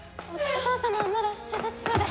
お父様はまだ手術中で。